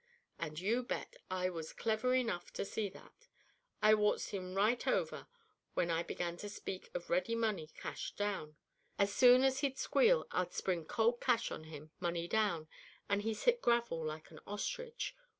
Ah, you bet, I was clever enough to see that. I waltzed him right over when I began to speak of ready money, cash down. As soon as he'd squeal I'd spring cold cash on him, money down, and he's hit gravel like an ostrich.